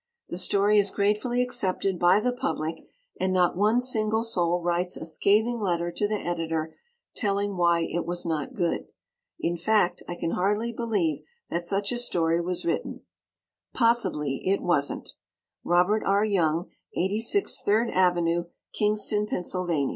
The story is gratefully accepted by the public and not one single soul writes a scathing letter to the Editor telling why it was not good. In fact, I can hardly believe that such a story was written. Possibly it wasn't! Robert R. Young, 86 Third Avenue, Kingston, Penn.